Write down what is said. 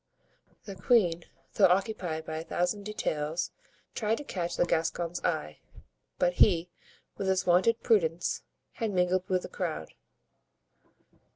The queen, though occupied by a thousand details, tried to catch the Gascon's eye; but he, with his wonted prudence, had mingled with the crowd.